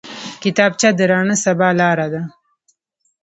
کتابچه د راڼه سبا لاره ده